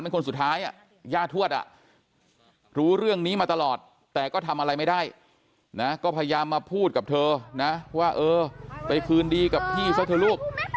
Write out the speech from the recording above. คนสุดท้ายย่าทวดอ่ะรู้เรื่องนี้มาตลอดแต่ก็ทำอะไรไม่ได้นะก็พยายามมาพูดกับเธอนะว่าเออไปคืนดีกับพี่ซะเถอะลูก